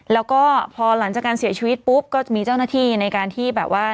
แล้วก็พอหลังจากการเสียชีวิตปุ๊บก็จะมีเจ้าหน้าที่ในการที่แบบว่า